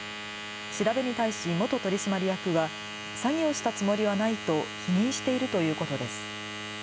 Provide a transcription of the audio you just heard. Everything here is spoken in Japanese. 調べに対し元取締役は詐欺をしたつもりはないと否認しているということです。